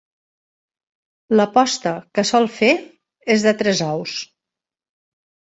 La posta que sol fer és de tres ous.